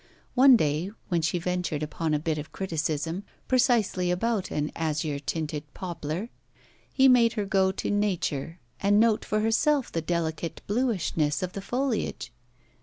One day when she ventured upon a bit of criticism, precisely about an azure tinted poplar, he made her go to nature and note for herself the delicate bluishness of the foliage.